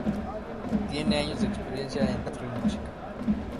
Tiene años de experiencia en teatro y música.